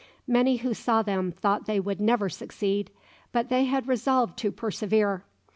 Many who saw them thought they would never succeed, but they had resolved to persevere.